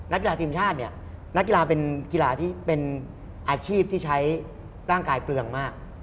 นักกีฬาทีมชาติเนี่ยนักกีฬาเป็นอาชีพที่ใช้ร่างกายเปลืองมาก